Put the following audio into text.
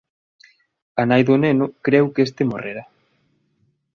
A nai do neno creu que este morrera.